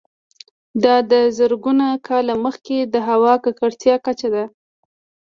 دا د زرګونه کاله مخکې د هوا د ککړتیا کچه ده